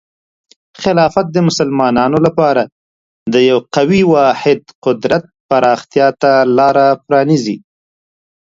خلافت د مسلمانانو لپاره د یو قوي واحد قدرت پراختیا ته لاره پرانیزي.